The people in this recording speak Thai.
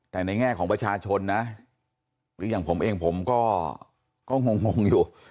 แต่ในแง่ของประชาชนนะหรืออย่างผมเองผมก็งงอยู่